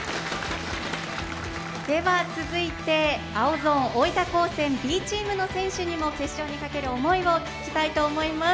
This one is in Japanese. では続いて青ゾーン大分高専Ｂチームの選手にも決勝にかける思いを聞きたいと思います。